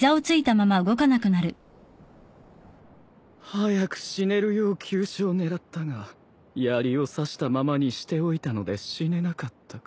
早く死ねるよう急所を狙ったがやりを刺したままにしておいたので死ねなかったか。